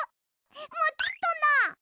モチっとな！